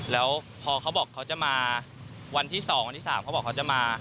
แล้วพอเขาบอกเขาจะมาวันที่๒วันที่๓เขาบอกเขาจะมา